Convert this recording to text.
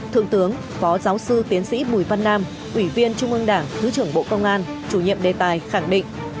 thượng tướng phó giáo sư tiến sĩ bùi văn nam ủy viên trung ương đảng thứ trưởng bộ công an chủ nhiệm đề tài khẳng định